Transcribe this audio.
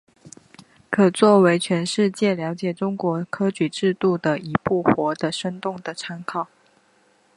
可作为全世界了解中国科举制度的一部活的生动的参考。